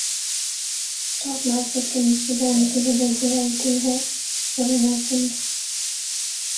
stock market کے نیچے جانے کی وجہ جے ائی ٹی ہے گورنر سندھ